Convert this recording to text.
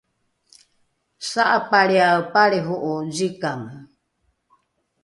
sa’apalriae palriho’o zikange